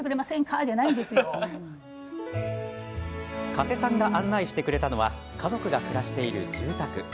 加瀬さんが案内してくれたのは家族が暮らしている住宅。